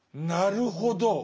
なるほど。